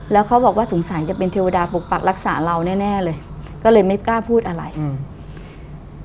แล้วเขาบอกว่าสงสารจะเป็นเทวดาปกปักรักษาเราแน่แน่เลยก็เลยไม่กล้าพูดอะไรอืม